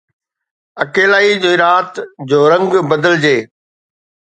اڪيلائيءَ جي رات جو رنگ بدلجي